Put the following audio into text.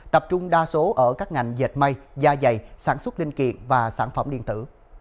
tập trung đa số ở các ngành dệt may da dày sản xuất linh kiện và sản phẩm điện tử